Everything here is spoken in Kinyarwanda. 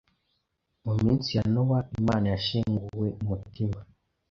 Mu minsi ya Nowa, Imana ‘yashenguwe umutima’